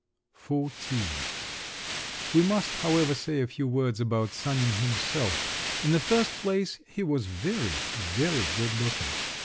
XIV We must, however, say a few words about Sanin himself. In the first place, he was very, very good looking.